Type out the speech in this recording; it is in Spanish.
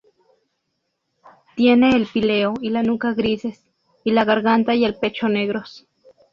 Tiene el píleo y la nuca grises, y la garganta y el pecho negros.